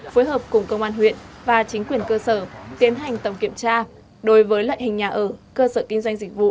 phối hợp cùng công an huyện và chính quyền cơ sở tiến hành tổng kiểm tra đối với loại hình nhà ở cơ sở kinh doanh dịch vụ